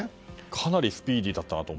かなりスピーディーだったなと。